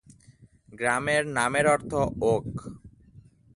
গ্রামের নামের অর্থ "ওক"।